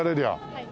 はい。